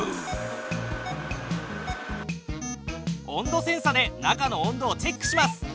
温度センサで中の温度をチェックします。